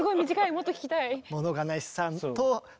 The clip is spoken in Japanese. もっと聴きたい。